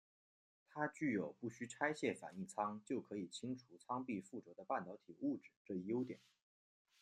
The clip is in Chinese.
它具有不需拆卸反应舱就可以清除舱壁附着的半导体物质这一优点。